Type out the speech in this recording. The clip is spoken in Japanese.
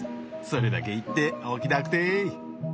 それだけ言っておきたくて。